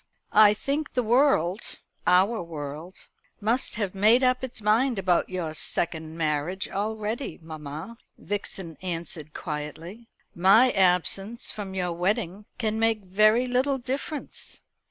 "I think the world our world must have made up its mind about your second marriage already, mamma," Vixen answered quietly. "My absence from your wedding can make very little difference."